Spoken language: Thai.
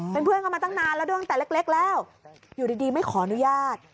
เป็นเพื่อนกันมาตั้งนานแล้วด้วยตั้งแต่เล็กแล้วอยู่ดีไม่ขออนุญาต